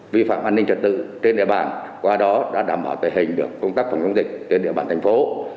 vi phạm an ninh trật tự trên địa bàn qua đó đã đảm bảo tệ hình được công tác phòng chống dịch trên địa bàn thành phố